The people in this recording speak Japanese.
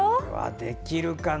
できるかな？